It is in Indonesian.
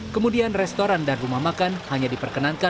kemudian restoran dan rumah makan hanya diperkenankan